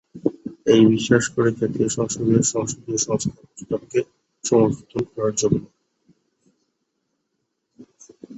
এই বিশ্বাস করে জাতীয় সংসদে সংসদীয় সংস্কার প্রস্তাবকে সমর্থন করার জন্য।